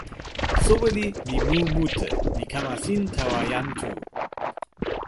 soweli li mu mute, li kama sin tawa jan Tu.